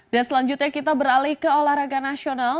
dan selanjutnya kita beralih ke olahraga nasional